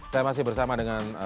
saya masih bersama dengan